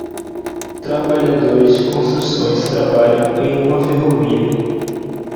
Trabalhadores de construções trabalham em uma ferrovia.